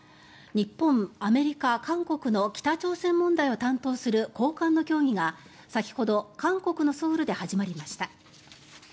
日本、アメリカ、韓国の北朝鮮問題を担当する高官の協議が、先ほど韓国のソウルで始まりました。